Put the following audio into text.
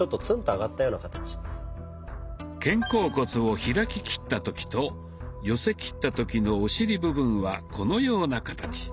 肩甲骨を開ききった時と寄せきった時のお尻部分はこのような形。